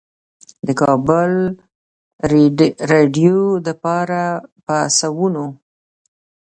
د کابل رېډيؤ دپاره پۀ سوونو